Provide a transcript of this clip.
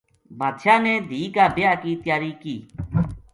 بادشاہ نے دھی کا بیاہ کی تیاری کی